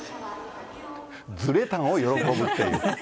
ずれたんを喜ぶっていう。